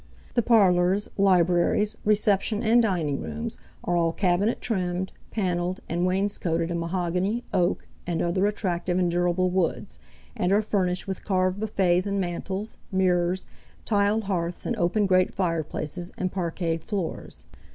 The parlors, libraries, reception and dining rooms are all cabinet trimmed, paneled, and wainscoated in mahogany, oak, and other attractive and durable woods, and are furnished with carved buffets and mantels, mirrors, tiled hearths and open grate fireplaces, and parqueted floors.